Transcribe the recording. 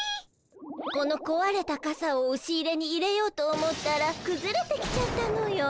このこわれたかさをおし入れに入れようと思ったらくずれてきちゃったのよ。